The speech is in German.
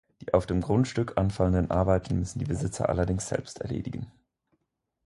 Die auf dem Grundstück anfallenden Arbeiten müssen die Besitzer allerdings selbst erledigen.